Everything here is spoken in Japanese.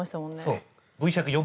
そう。